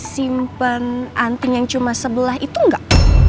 simpen anting yang cuma sebelah itu enggak